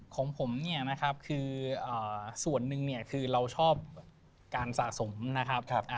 ของผมเนี่ยนะครับคือส่วนหนึ่งเนี่ยคือเราชอบการสะสมนะครับ